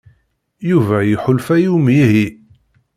Yuba iḥulfa i umihi.